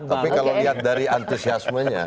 tapi kalau lihat dari antusiasmenya